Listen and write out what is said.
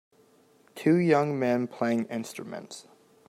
Two young men playing instruments.